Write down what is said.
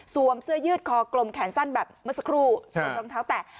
สวมเสื้อยืดคอกลมแขนสั้นแบบมะสะครูสวมรองเท้าแตะ